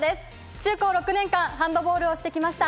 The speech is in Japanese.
中高６年間、ハンドボールをしてきました。